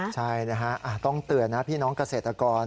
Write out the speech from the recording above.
ใช่นะฮะต้องเตือนนะพี่น้องเกษตรกร